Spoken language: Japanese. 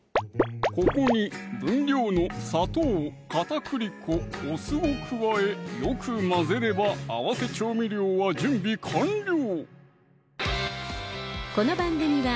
ここに分量の砂糖・片栗粉・お酢を加えよく混ぜれば合わせ調味料は準備完了！